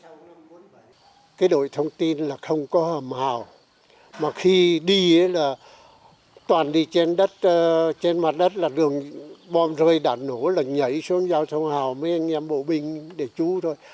trước năm bốn mươi bảy một mươi sáu năm bốn mươi bảy cái đội thông tin là không có hầm hào mà khi đi là toàn đi trên đất trên mặt đất là đường bom rơi đạn nổ là nhảy xuống giao thông hào với anh em bộ binh để chú thôi